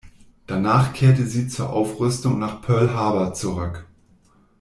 Danach kehrte sie zur Aufrüstung nach Pearl Harbor zurück.